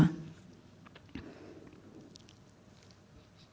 dan tentunya aspek penerima bantuan sosial